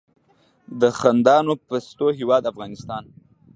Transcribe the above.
د خندانو پستو هیواد افغانستان.